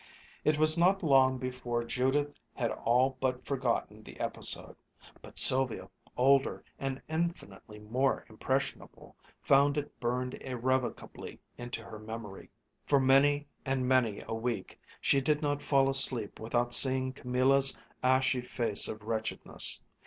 It was not long before Judith had all but forgotten the episode; but Sylvia, older and infinitely more impressionable, found it burned irrevocably into her memory. For many and many a week, she did not fall asleep without seeing Camilla's ashy face of wretchedness.